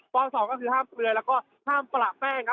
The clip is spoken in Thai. ปอสองก็คือห้ามเผือกแล้วก็ห้ามประปรากแป้งค่ะ